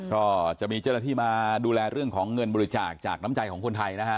ก็จะมีเจ้าหน้าที่มาดูแลเรื่องของเงินบริจาคจากน้ำใจของคนไทยนะฮะ